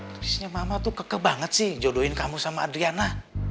terusnya mama tuh kekeh banget sih jodohin kamu sama adriana